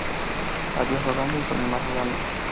A Dios rogando y con el mazo dando